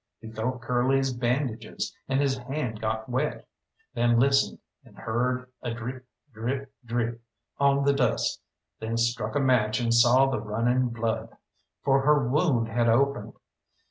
He felt Curly's bandages, and his hand got wet; then listened, and heard a drip, drip, drip, on the dust, then struck a match and saw the running blood, for her wound had opened.